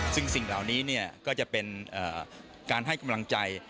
ซึ่งสิ่งเหล่านี้ก็จะเป็นการให้กำลังใจ